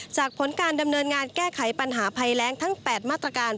ผลการดำเนินงานแก้ไขปัญหาภัยแรงทั้ง๘มาตรการ